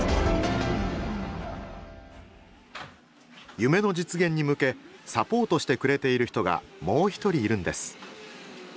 夢の実現に向けサポートしてくれている人がもう一人いるんです。